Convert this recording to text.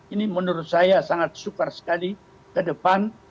ini menurut saya sangat sukar sekali ke depan